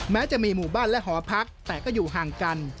แม้จะมีหมู่บ้านและหอพักแต่ก็อยู่ห่างกัน